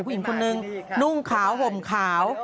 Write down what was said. ผู้หญิงคนนึงนุ่งขาวห่มขาว